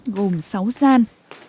gồm sáu gian